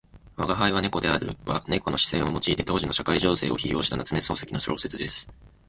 「吾輩は猫である」は猫の視線を用いて当時の社会情勢を批評した夏目漱石の小説です。